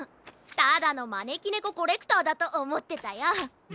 ただのまねきねこコレクターだとおもってたよ。